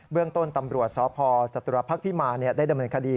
เรื่องต้นตำรวจสพจตุรพักษ์พิมารได้ดำเนินคดี